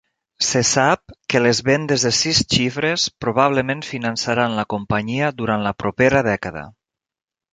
Se sap que les vendes de sis xifres probablement finançaran la companyia durant la propera dècada.